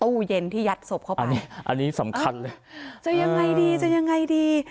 ตู้เย็นที่ยัดศพเข้าไปนี่อันนี้สำคัญเลยจะยังไงดีจะยังไงดี